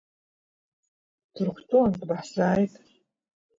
Ҭырқәтәылантә баҳзааит.